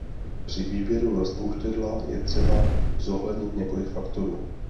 Při výběru rozpouštědla je třeba zohlednit několik faktorů.